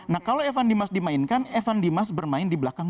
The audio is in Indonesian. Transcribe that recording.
nah kalau evan dimas dimainkan evan dimas bermain di belakang